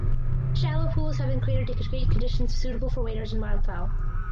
Shallow pools have been created to create conditions suitable for waders and wildfowl.